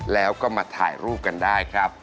แล้วก็มาถ่ายรูปกันได้ครับ